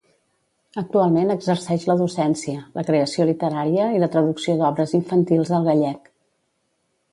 Actualment exerceix la docència, la creació literària i la traducció d'obres infantils al gallec.